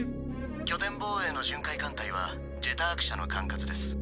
拠点防衛の巡回艦隊は「ジェターク社」の管轄です。